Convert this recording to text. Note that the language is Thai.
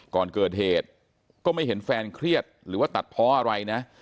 ก่อนเกิดเหตุก็ไม่เห็นแฟนเครียดหรือว่าตัดเพราะอะไรนะ